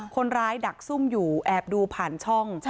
ดักซุ่มอยู่แอบดูผ่านช่อง